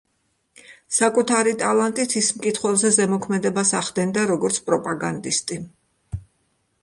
საკუთარი ტალანტით ის მკითხველზე ზემოქმედებას ახდენდა, როგორც პროპაგანდისტი.